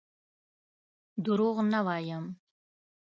دروغ نه وایم.